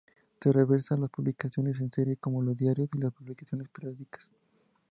Se reserva a las publicaciones en serie como los diarios y las "publicaciones periódicas".